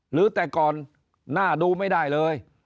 หรือแต่ก่อนหน้าดูไม่ได้เลย